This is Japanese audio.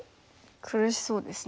苦しそうですね。